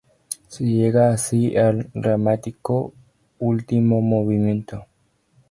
Se llega así al dramático último movimiento.